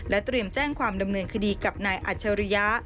เตรียมแจ้งความดำเนินคดีกับนายอัจฉริยะ